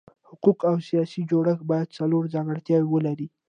حقوقي او سیاسي جوړښت باید څلور ځانګړتیاوې ولري.